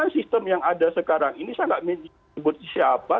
sistem yang ada sekarang ini sangat menyebut siapa